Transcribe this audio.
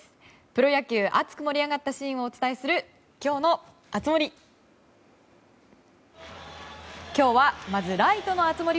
プロ野球、熱く盛り上がったシーンをお伝えする今日の熱盛。